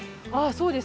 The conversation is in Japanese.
そうです。